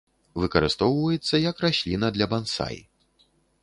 Выкарыстоўваецца як расліна для бансай.